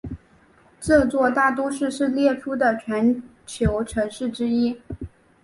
这座大都市是列出的全球城市之一。